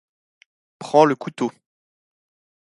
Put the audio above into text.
Prends le couteau.